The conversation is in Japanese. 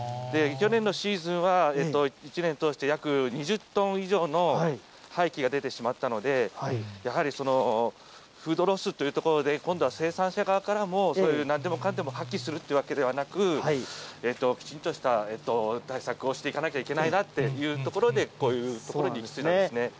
去年のシーズンは１年を通して約２０トン以上の廃棄が出てしまったので、やはりフードロスというところで、今度は生産者側からも、そういうなんでもかんでも破棄するというわけではなく、きちんとした対策をしていかなきゃいけないなというところで、こういうところに行きついたんですね。